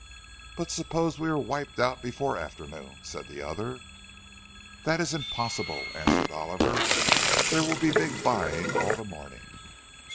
"But suppose we are wiped out before afternoon?" said the other. "That is impossible," answered Oliver. "There will be big buying all the morning."